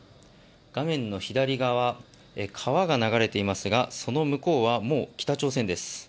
画面の左側、川が流れていますがその向こうはもう北朝鮮です。